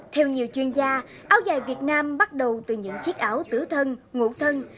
theo nhiều chuyên gia áo dài việt nam bắt đầu từ những chiếc áo tử thân ngụ thân